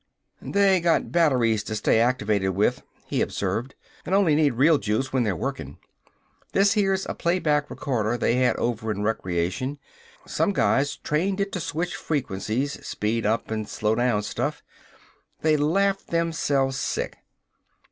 "They got batteries to stay activated with," he observed, "and only need real juice when they're workin'. This here's a play back recorder they had over in Recreation. Some guys trained it to switch frequencies speed up and slow down stuff. They laughed themselves sick!